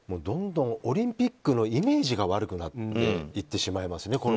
どんどんオリンピックのイメージが悪くなっていってしまいますね